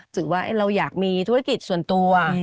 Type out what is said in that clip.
ถึงว่าเราอยากมีธุรกิจส่วนตัว